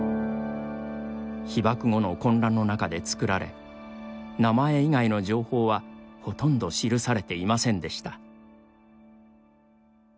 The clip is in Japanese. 被爆後の混乱の中で作られ名前以外の情報はほとんど記されていませんでした。